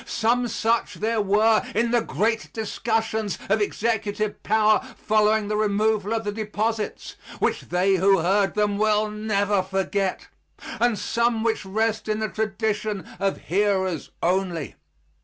Some such there were in the great discussions of executive power following the removal of the deposits, which they who heard them will never forget, and some which rest in the tradition of hearers only.